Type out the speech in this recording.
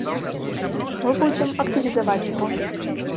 Мы будзем актывізаваць яго.